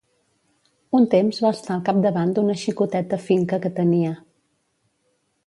Un temps va estar al capdavant d'una xicoteta finca que tenia.